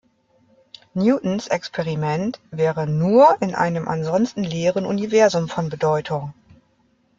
Newtons Experiment wäre nur in einem ansonsten leeren Universum von Bedeutung.